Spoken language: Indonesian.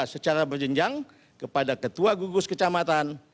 secara berjenjang kepada ketua gugus kecamatan